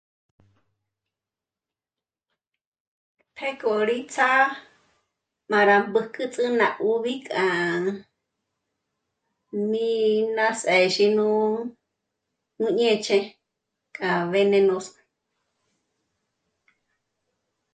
Pjéko rí ts'â'a m'árá mbóküts'ü ná 'ùbi k'a mí ná sézhi, nú ñéch'e k'a venenoso